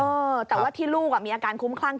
เออแต่ว่าที่ลูกมีอาการคุ้มคลั่ง